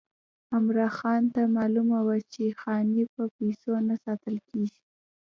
عمرا خان ته معلومه وه چې خاني په پیسو نه ساتل کېږي.